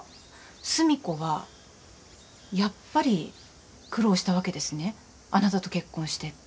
「寿美子はやっぱり苦労したわけですねあなたと結婚して」って。